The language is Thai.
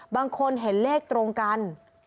บางคนเห็นเลขตรงกัน